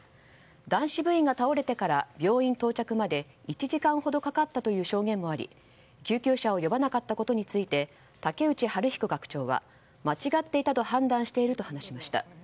男子部員が倒れてから病院到着まで１時間ほどかかったという証言もあり救急車を呼ばなかったことについて竹内治彦学長は間違っていたと判断していると話しました。